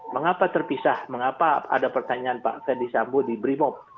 mengapa terpisah mengapa ada pertanyaan pak ferdisambo di brimob